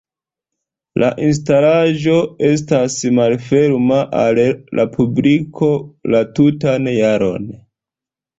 La instalaĵo estas malferma al la publiko la tutan jaron.